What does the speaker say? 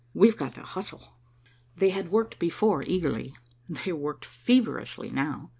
We've got to hustle." They had worked before eagerly. They worked feverishly now.